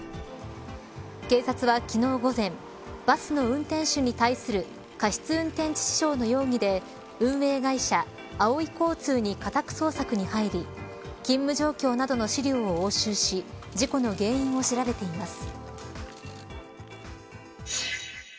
警察は、昨日午前バスの運転手に対する過失運転致死傷の容疑で運営会社、あおい交通に家宅捜索に入り勤務状況などの資料を押収し事故の原因を調べています。